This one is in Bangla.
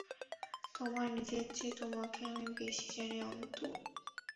তোমার নিজের চেয়ে তোমাকে আমি বেশি জানি অন্তু।